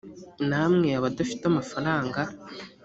namwe abadafite amafaranga